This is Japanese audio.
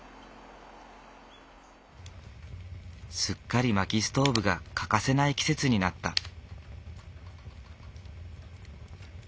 すっかりまきストーブが欠かせない季節になった。